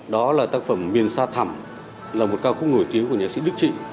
đó là tác phẩm miền sa thẳm là một cao khúc nổi tiếng của nhạc sĩ đức trị